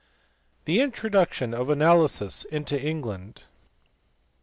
The introduction of analysis into England.